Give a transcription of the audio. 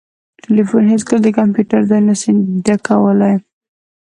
ټلیفون هیڅکله د کمپیوټر ځای نسي ډکولای